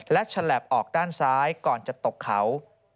และฉลับออกด้านซ้ายก่อนจะตกเขา